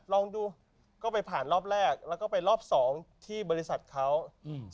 ลองดูก็ไปผ่านรอบแรกแล้วก็ไปรอบสองที่บริษัทเขาอืม